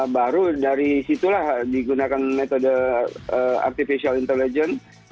baru dari situlah digunakan metode artificial intelligence